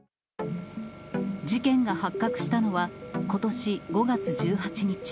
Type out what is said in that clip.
事件が発覚したのは、ことし５月１８日。